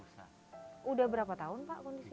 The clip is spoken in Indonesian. sudah berapa tahun pak kondisi